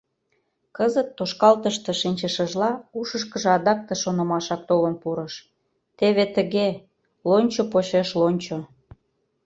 Кызыт, тошкалтыште шинчышыжла, ушышкыжо адак ты шонымашак толын пурыш: «Теве тыге, лончо почеш лончо.